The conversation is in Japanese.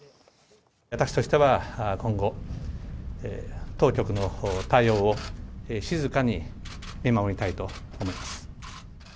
私としては今後、当局の対応を静かに見守りたいと思います。